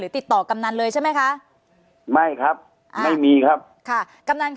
ติดต่อกำนันเลยใช่ไหมคะไม่ครับอ่าไม่มีครับค่ะกำนันค่ะ